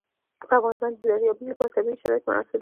په افغانستان کې د دریابونه لپاره طبیعي شرایط مناسب دي.